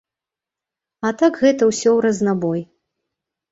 А так гэта ўсё ў разнабой.